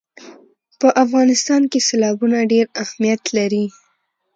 په افغانستان کې سیلابونه ډېر اهمیت لري.